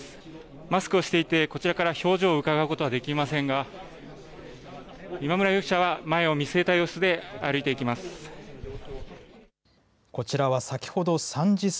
マスクをしていてこちらから表情をうかがうことはできませんが今村容疑者は前を見据えた様子で歩いていきます。